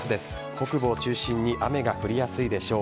北部を中心に雨が降りやすいでしょう。